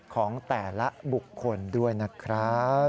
ของแต่ละบุคคลด้วยนะครับ